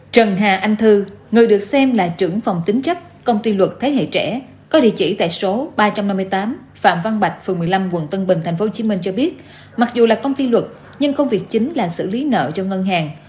trần hà anh thư người được xem là trưởng phòng tính chấp công ty luật thế hệ trẻ có địa chỉ tại số ba trăm năm mươi tám phạm văn bạch phường một mươi năm quận tân bình tp hcm cho biết mặc dù là công ty luật nhưng công việc chính là xử lý nợ cho ngân hàng